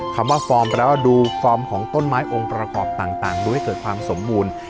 คำว่าฟอร์มแล้วดูฟอร์มของต้นไม้องค์ประกอบต่างดูให้เกิดความสมบูรณ์